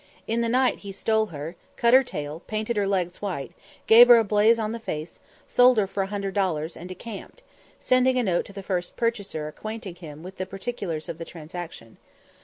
In the night he stole her, cut her tail, painted her legs white, gave her a "blaze" on her face, sold her for 100 dollars, and decamped, sending a note to the first purchaser acquainting him with the particulars of the transaction.